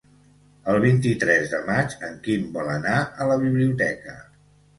El vint-i-tres de maig en Quim vol anar a la biblioteca.